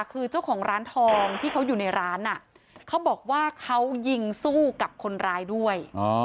คือเจ้าของร้านทองที่เขาอยู่ในร้านเขาบอกว่าเขายิงสู้กับคนร้ายด้วย